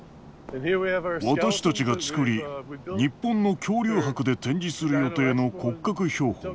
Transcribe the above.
私たちが作り日本の恐竜博で展示する予定の骨格標本。